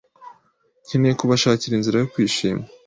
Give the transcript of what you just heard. nkeneye kubashakira inzira yo kwishima.